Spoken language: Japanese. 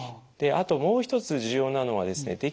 あともう一つ重要なのはですね